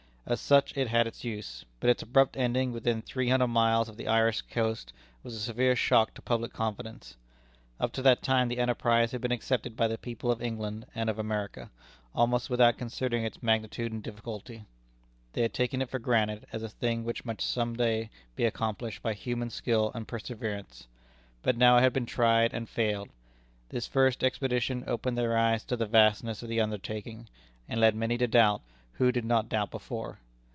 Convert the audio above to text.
As such it had its use; but its abrupt ending within three hundred miles of the Irish coast was a severe shock to public confidence. Up to that time the enterprise had been accepted by the people of England and of America, almost without considering its magnitude and difficulty. They had taken it for granted as a thing which must some day be accomplished by human skill and perseverance. But now it had been tried and failed. This first expedition opened their eyes to the vastness of the undertaking, and led many to doubt who did not doubt before.